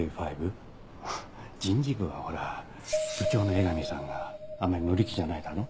ＪＫ５人事部はほら部長の江上さんがあんまり乗り気じゃないだろ？